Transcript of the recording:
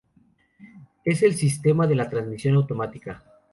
Es el sistema de la Transmisión automática.